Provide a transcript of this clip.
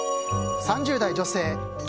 ３０代女性。